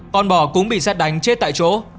con bò cũng bị xét đánh chết tại chỗ